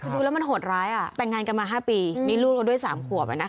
คือดูแล้วมันโหดร้ายแต่งงานกันมา๕ปีมีลูกเราด้วย๓ขวบ